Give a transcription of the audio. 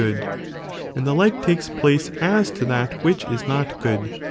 good, and the like takes place te to that which is not good.